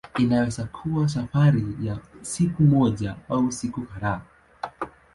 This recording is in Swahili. Inaweza kuwa safari ya siku moja au siku kadhaa.